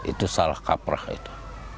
itu salah kaprah itu